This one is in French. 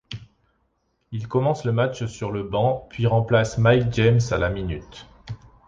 Il commence le match sur le banc puis remplace Mike James à la minute.